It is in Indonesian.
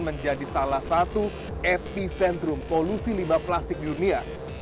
menjadi salah satu epicentrum polusi limbah plastik di dunia